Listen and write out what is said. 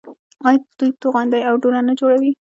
آیا دوی توغندي او ډرون نه جوړوي؟